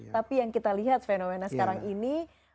tapi yang kita lihat fenomena sekarang ini